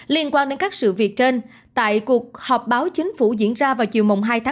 liên quan đến các sự việc trên tại cuộc họp báo chính phủ diễn ra vào chiều hai một mươi hai nghìn hai mươi một